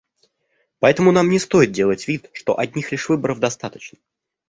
Поэтому нам не стоит делать вид, что одних лишь выборов достаточно.